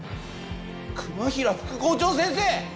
熊平副校長先生！